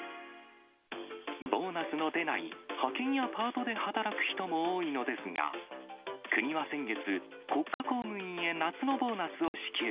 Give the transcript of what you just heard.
ボーナスの出ない派遣やパートで働く人も多いのですが、国は先月、国家公務員へ夏のボーナスを支給。